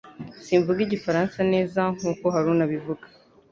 Simvuga Igifaransa neza nkuko Haruna abivuga